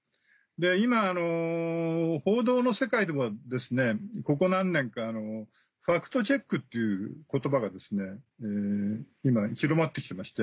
今報道の世界でもここ何年かファクトチェックっていう言葉が今広まって来てまして。